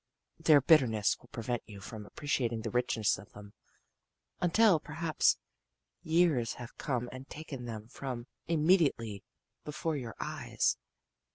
Their bitterness will prevent you from appreciating the richness of them until perhaps years have come and taken them from immediately before your eyes.